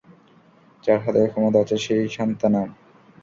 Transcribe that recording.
যার হাতে ক্ষমতা আছে সেই সান্থানাম!